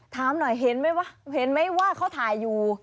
ถามหน่อยเห็นไหมว่าเขาถ่ายอยู่